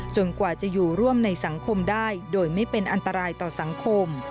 กว่าจะอยู่ร่วมในสังคมได้โดยไม่เป็นอันตรายต่อสังคม